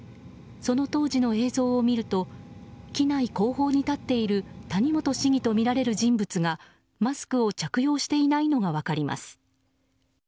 その当時の映像を見ると機内後方に立っている谷本市議とみられる人物がマスクを着用していないのが分かります。